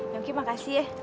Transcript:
yang kima kasih ya